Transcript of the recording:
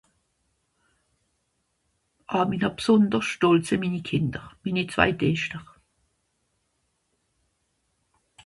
à minne b'sonderscht stòltz sìn minni kìnder wie nìt zwai ...